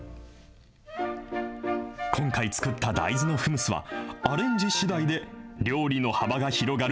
今回作った大豆のフムスはアレンジしだいで、料理の幅が広がる